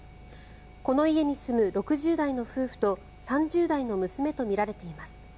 この家に住む６０代の夫婦と３０代の娘とみられています。